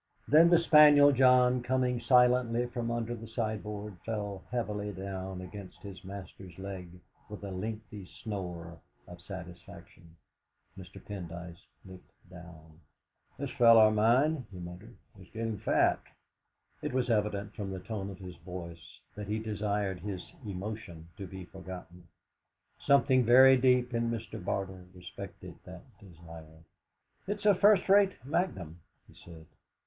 Then the spaniel John, coming silently from under the sideboard, fell heavily down against his master's leg with a lengthy snore of satisfaction. Mr. Pendyce looked down. "This fellow of mine," he muttered, "is getting fat." It was evident from the tone of his voice that he desired his emotion to be forgotten. Something very deep in Mr. Barter respected that desire. "It's a first rate magnum," he said.